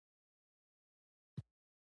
ویل کېږي چې پخوا دلته د خرما یوه ونه هم وه.